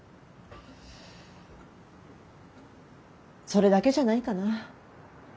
それだけじゃないかな。